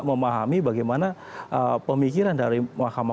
memahami bagaimana pemikiran dari mahkamah